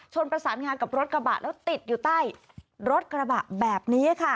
ประสานงานกับรถกระบะแล้วติดอยู่ใต้รถกระบะแบบนี้ค่ะ